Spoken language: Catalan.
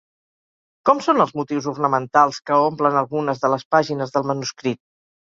Com són els motius ornamentals que omplen algunes de les pàgines del manuscrit?